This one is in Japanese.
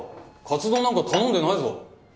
カツ丼なんか頼んでないぞ。